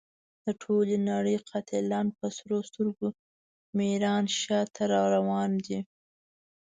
د ټولې نړۍ قاتلان په سرو سترګو ميرانشاه ته را روان دي.